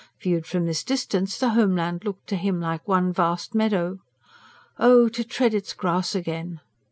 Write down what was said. Viewed from this distance, the homeland looked to him like one vast meadow. Oh, to tread its grass again!